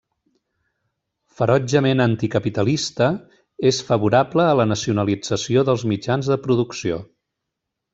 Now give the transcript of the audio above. Ferotgement anticapitalista, és favorable a la nacionalització dels mitjans de producció.